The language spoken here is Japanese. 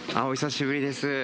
お久しぶりです。